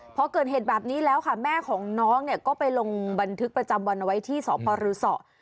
พอเกิดเหตุแบบนี้แล้วค่ะแม่ของน้องเนี่ยก็ไปลงบันทึกประจำวันเอาไว้ที่สพรือสอ